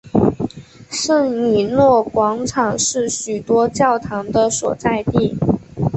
圣以诺广场是许多教堂的所在地。